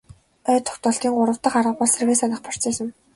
Ой тогтоолтын гурав дахь алхам бол сэргээн санах процесс юм.